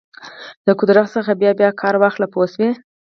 د قدرت څخه بیا بیا کار واخله پوه شوې!.